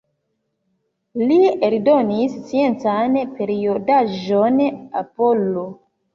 Li eldonis sciencan periodaĵon „Apollo”.